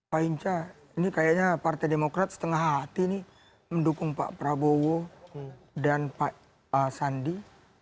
pak hinca ini kayaknya partai demokrat setengah hati nih mendukung pak prabowo dan pak sandi